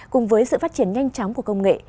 cùng với sự phát triển nhanh chóng của công nghệ